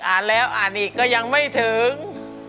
อ่านแล้วอ่านอีกก็ยังไม่ถึง